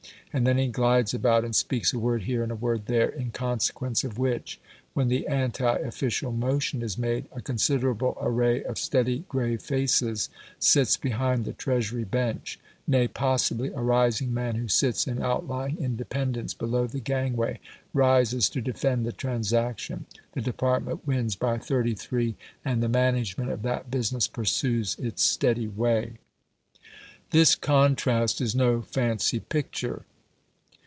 And then he glides about and speaks a word here and a word there, in consequence of which, when the anti official motion is made, a considerable array of steady, grave faces sits behind the Treasury Bench nay, possibly a rising man who sits in outlying independence below the gangway rises to defend the transaction; the department wins by thirty three, and the management of that business pursues its steady way. This contrast is no fancy picture.